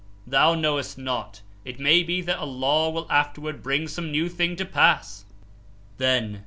Thou knowest not: it may be that Allah will afterward bring some new thing to pass. S: O Prophet!